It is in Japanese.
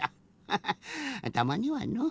ハハたまにはのう。